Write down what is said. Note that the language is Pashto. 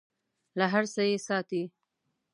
له هر څه یې ساتي .